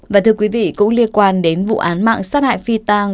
và thưa quý vị cũng liên quan đến vụ án mạng sát hại phi tàng